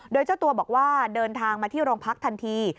โดยเจ้าตัวบอกว่าเดินทางมาที่โรงพักทันที